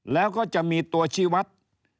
แล้วก็จะมีตัวชีวัตร